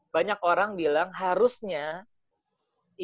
banyak orang bilang harusnya yang masuk ke lakers itu harusnya kalau dia masuk ke